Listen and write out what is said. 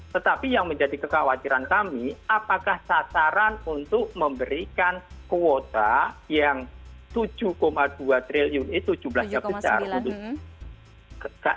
tetapi yang menjadi kekhawatiran kami apakah sasaran untuk memberikan kuota yang tujuh dua triliun itu jumlahnya besar